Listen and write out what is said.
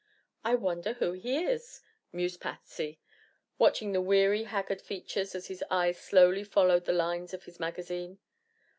"I wonder who he is?" mused Patsy, watching the weary, haggard features as his eyes slowly followed the lines of his magazine.